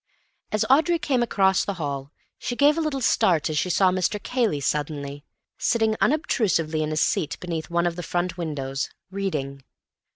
As Audrey came across the hall she gave a little start as she saw Mr. Cayley suddenly, sitting unobtrusively in a seat beneath one of the front windows, reading.